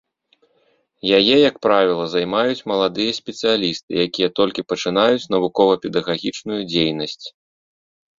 Яе, як правіла, займаюць маладыя спецыялісты, якія толькі пачынаюць навукова-педагагічную дзейнасць.